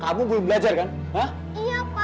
kamu belum belajar kan hah